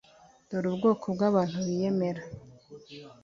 Dore Ubwoko bwabantu biyemera